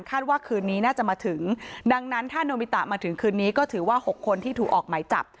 ว่าคืนนี้น่าจะมาถึงดังนั้นถ้าโนมิตะมาถึงคืนนี้ก็ถือว่า๖คนที่ถูกออกหมายจับ